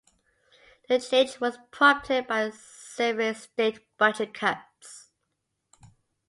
The change was prompted by severe state budget cuts.